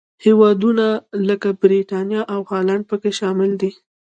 هېوادونه لکه برېټانیا او هالنډ پکې شامل دي.